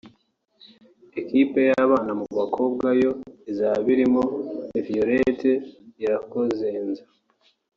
Ikipe y’abana mu bakobwa yo izaba irimo Violette Irakozenza